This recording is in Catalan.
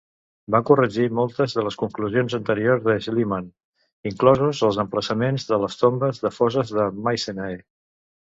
Va corregir moltes de les conclusions anteriors de Schliemann, inclosos els emplaçaments de les tombes de foses de Mycenae.